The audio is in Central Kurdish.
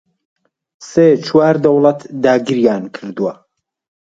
سێ چوار دەوڵەت داگیریان کردووە